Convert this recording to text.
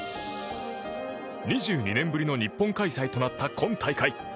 ２２年ぶりの日本開催となった今大会。